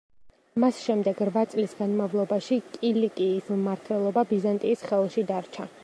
მას შემდეგ რვა წლის განმავლობაში კილიკიის მმართველობა ბიზანტიის ხელში დარჩა.